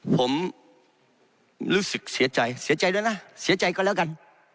ผมรู้สึกเสียใจเสียใจด้วยนะเสียใจก็แล้วกัน